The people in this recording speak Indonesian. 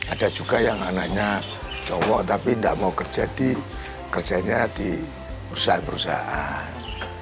ada juga yang anaknya cowok tapi tidak mau kerjanya di perusahaan perusahaan